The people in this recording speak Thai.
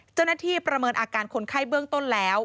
เจ้าหน้าที่ประเมินอาการคนไข้เบื้องต้นแล้ว